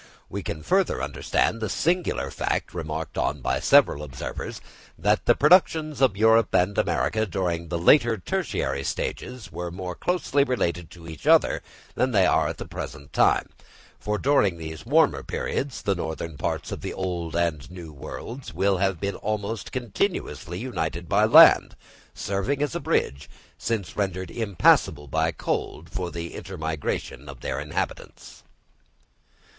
We can further understand the singular fact remarked on by several observers that the productions of Europe and America during the later tertiary stages were more closely related to each other than they are at the present time; for during these warmer periods the northern parts of the Old and New Worlds will have been almost continuously united by land, serving as a bridge, since rendered impassable by cold, for the intermigration of their inhabitants.